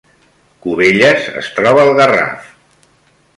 Cubelles es troba al Garraf